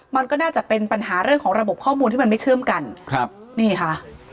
มันก็น่าจะเป็นปัญหาเรื่องของระบบข้อมูลที่มันไม่เชื่อมกันครับนี่ค่ะ